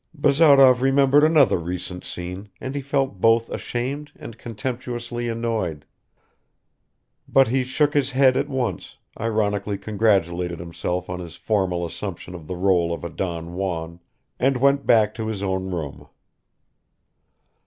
Bazarov remembered another recent scene and he felt both ashamed and contemptuously annoyed. But he shook his head at once, ironically congratulated himself on his formal assumption of the rôle of a Don Juan, and went back to his own room.